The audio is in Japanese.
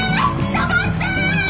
止まって！